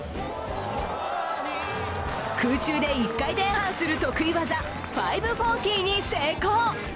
空中で１回転半する得意技５４０に成功。